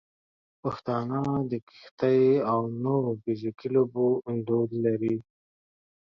پښتانه د کشتۍ او نورو فزیکي لوبو دود لري.